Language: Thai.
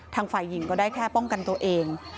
ฝ่ายหญิงก็ได้แค่ป้องกันตัวเอง